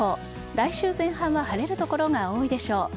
来週前半は晴れる所が多いでしょう。